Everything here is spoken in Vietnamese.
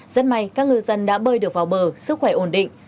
rất may các ngư dân đã bơi được vào bờ sức khỏe ổn định